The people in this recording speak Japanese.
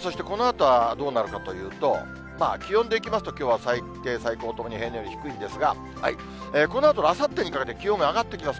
そして、このあとはどうなるかというと、気温でいきますと、きょうは最低、最高ともに平年より低いんですが、このあとのあさってにかけて、気温が上がってきます。